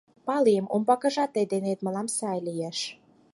— Палем, умбакыжат тый денет мылам сай лиеш...